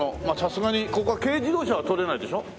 まあさすがにここは軽自動車は通れないでしょ？